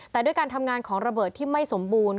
แต่ด้วยการทำงานของระเบิดที่ไม่สมบูรณ์